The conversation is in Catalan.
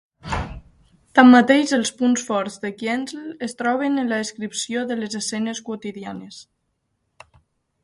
Tanmateix, els punts forts de Kienzl es troben en la descripció de les escenes quotidianes.